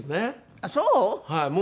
あっそう？